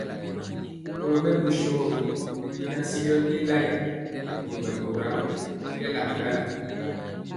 Kɔlo mɛlu shogi y natye lélaya, mori mɛkóra kɛɛla ndala.